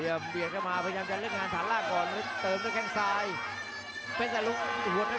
อากาโต้ตรงทีเลยครับทางเรือ